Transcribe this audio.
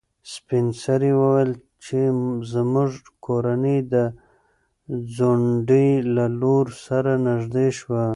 سپین سرې وویل چې زموږ کورنۍ د ځونډي له لور سره نږدې شوه.